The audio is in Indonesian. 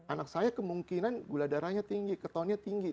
anak saya kemungkinan gula darahnya tinggi ketonnya tinggi